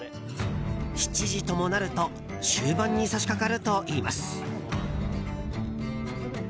７時ともなると終盤に差し掛かるといいます。